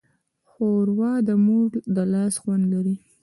ښوروا د مور د لاس خوند لري.